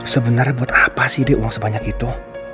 sebenarnya buat apa sih dia uang sebanyak itu